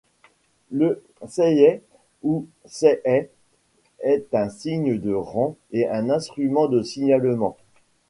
Le saihai ou sai-hai est un signe de rang et un instrument de signalement.